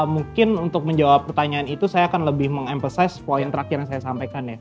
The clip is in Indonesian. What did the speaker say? mungkin untuk menjawab pertanyaan itu saya akan lebih meng emphasize poin terakhir yang saya sampaikan ya